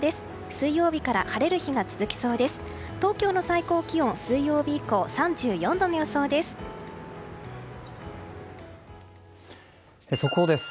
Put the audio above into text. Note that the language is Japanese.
水曜日から晴れる日が続きそうです。